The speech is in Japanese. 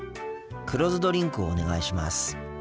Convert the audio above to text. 黒酢ドリンクをお願いします。